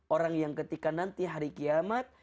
orang yang ketika nanti hari kiamat